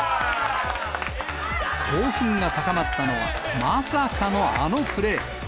興奮が高まったのは、まさかのあのプレー。